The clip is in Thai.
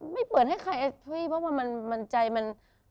ไม่เปิดให้ใครเพราะว่ามันใจมัน